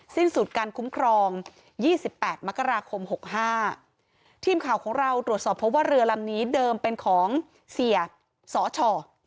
สิ้นสุดการคุ้มครองยี่สิบแปดมกราคมหกห้าทีมข่าวของเราตรวจสอบเพราะว่าเรือลำนี้เดิมเป็นของเสียสช